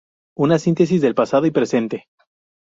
Una síntesis de pasado y presente.